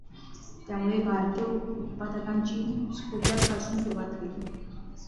त्यामुळे भारतीय उत्पादकांनी स्कूटरपासून सुरुवात केली.